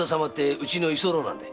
うちの居候なんです。